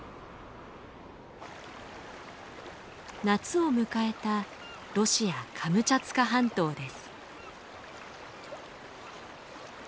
夏を迎えたロシアカムチャツカ半島です。